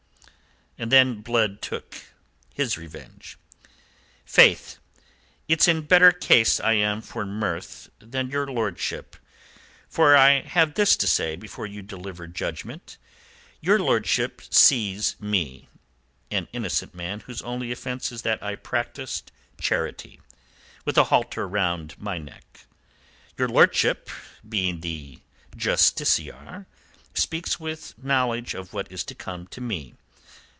And then Blood took his revenge. "Faith, it's in better case I am for mirth than your lordship. For I have this to say before you deliver judgment. Your lordship sees me an innocent man whose only offence is that I practised charity with a halter round my neck. Your lordship, being the justiciar, speaks with knowledge of what is to come to me.